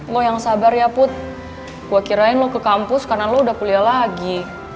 lo yang sabar ya put gue kirain lo ke kampus karena lo udah kuliah lagi